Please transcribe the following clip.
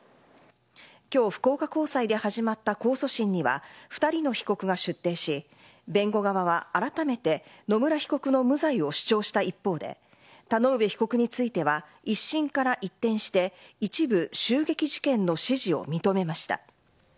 今日、福岡高裁で始まった控訴審には２人の被告が出廷し弁護側はあらためて野村被告の無罪を主張した一方で田上被告については一審から一転して一部、襲撃事件の指示を認めました。